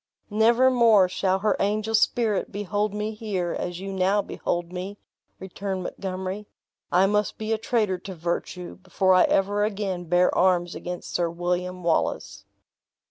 "Never more shall her angel spirit behold me here, as you now behold me," returned Montgomery; "I must be a traitor to virtue, before I ever again bear arms against Sir William Wallace!"